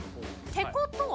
てことは？